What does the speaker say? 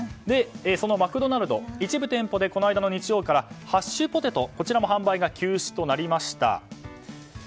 そのマクドナルド一部店舗でこの間の日曜日からハッシュポテトも販売が休止となりました。